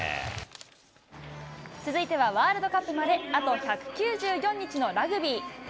続いてはワールドカップまであと１９４日のラグビー。